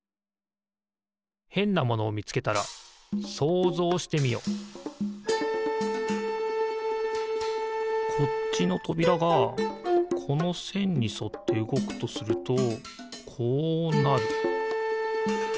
へんなものをみつけたらこっちのとびらがこのせんにそってうごくとするとこうなる。